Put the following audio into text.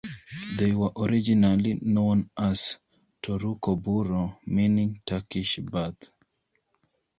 They were originally known as "toruko-buro", meaning Turkish bath.